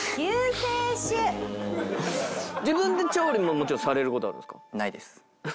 自分で調理ももちろんされる事はあるんですか？